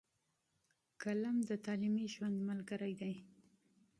قلم د تعلیمي ژوند ملګری دی.